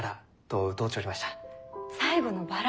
最後のバラ？